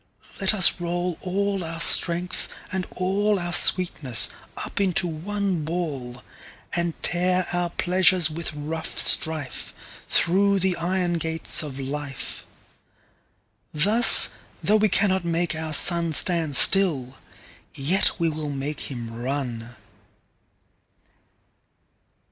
Let us roll all our Strength, and allOur sweetness, up into one Ball:And tear our Pleasures with rough strife, Thorough the Iron gates of Life.Thus, though we cannot make our SunStand still, yet we will make him run.